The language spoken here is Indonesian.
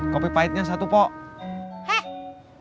kopi pahitnya satu pok